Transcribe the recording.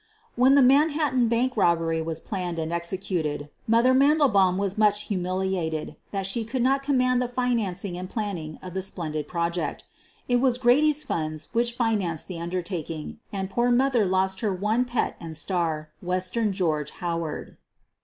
When the Manhattan Bank robbery was planned and executed, "Mother" Mandelbaum was much humiliated that she could not command the financing and planning of the splendid project. It was Grady's funds which financed the undertaking, and poor "Mother" lost her one pet and star, "Western George" Howard.